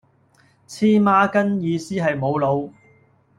黐孖根意思係無腦